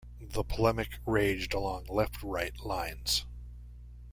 The polemic raged along left-right lines.